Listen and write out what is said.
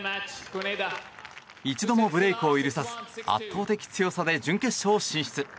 一度もブレークを許さず圧倒的強さで準決勝進出。